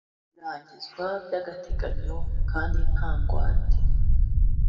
birangizwa by agateganyo kandi nta ngwate